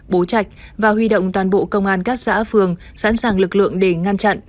bố trạch và huy động toàn bộ công an các xã phường sẵn sàng lực lượng để ngăn chặn